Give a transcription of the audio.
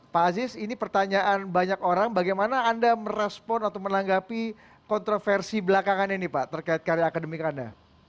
pak aziz ini pertanyaan banyak orang bagaimana anda merespon atau menanggapi kontroversi belakangan ini pak terkait karya akademik anda